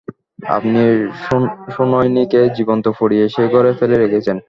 আপনি সুনয়নীকে জীবন্ত পুড়িয়ে সেই ঘরে ফেলে রেখেছেন।